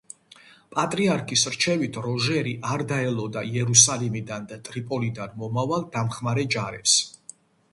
პატრიარქის რჩევით როჟერი არ დაელოდა იერუსალიმიდან და ტრიპოლიდან მომავალ დამხმარე ჯარებს.